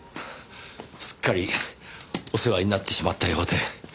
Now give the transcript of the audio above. すっかりお世話になってしまったようで。